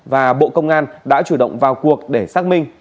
và bộ công an đã chủ động vào cuộc để xác minh